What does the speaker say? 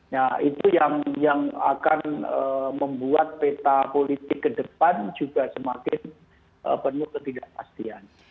nah itu yang akan membuat peta politik ke depan juga semakin penuh ketidakpastian